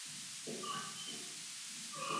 现在更需要提倡大胆探索。